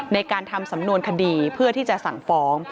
ในการทำสำนวนคดีเพื่อที่จะสั่งฟ้อง